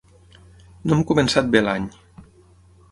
No hem començat bé l’any.